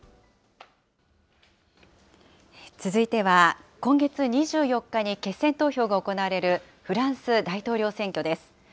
続いては、今月２４日に決選投票が行われるフランス大統領選挙です。